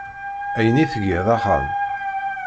Ayen i tgiḍ axxam?